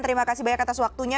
terima kasih banyak atas waktunya